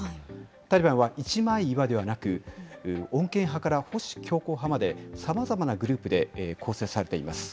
タリバンは一枚岩ではなく、穏健派から保守強硬派まで、さまざまなグループで構成されています。